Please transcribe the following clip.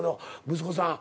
息子さん。